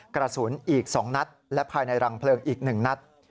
กระสุนอีก๒นัดและภายในรังเพลิงอีก๑นัด